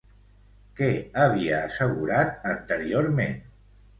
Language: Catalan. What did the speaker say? Què havia assegurat anteriorment?